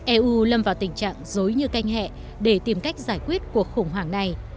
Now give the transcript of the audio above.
eu lâm vào tình trạng dối như canh hẹ để tìm cách giải quyết cuộc khủng hoảng này